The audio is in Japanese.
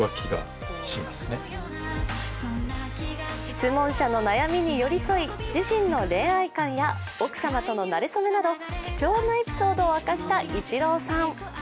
質問者の悩みに寄り添い自身の恋愛観や奥様とのなれ初めなど、貴重なエピソードを明かしたイチローさん。